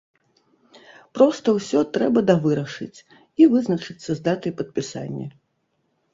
Проста ўсё трэба давырашыць і вызначыцца з датай падпісання.